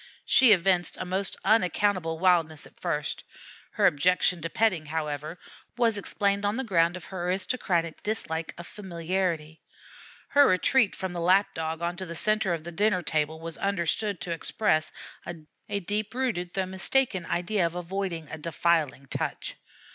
She evinced a most unaccountable wildness at first. Her objection to petting, however, was explained on the ground of her aristocratic dislike of familiarity. Her retreat from the Lap dog onto the centre of the dinner table was understood to express a deep rooted though mistaken idea of avoiding a defiling touch.